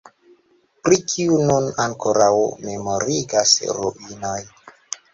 Pri kiu nun ankoraŭ memorigas ruinoj.